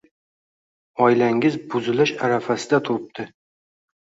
Oilangiz buzilish arafasida turipti